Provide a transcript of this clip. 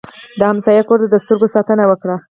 د ګاونډي کور ته د سترګو ساتنه وکړه